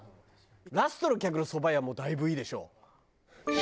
ラストの客のそば湯はもうだいぶいいでしょう。